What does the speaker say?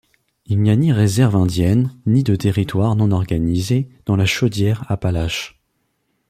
Il n'y a ni réserve indienne ni de territoire non organisé dans la Chaudière-Appalaches.